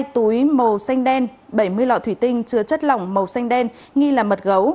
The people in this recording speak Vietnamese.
hai túi màu xanh đen bảy mươi lọ thủy tinh chứa chất lỏng màu xanh đen nghi là mật gấu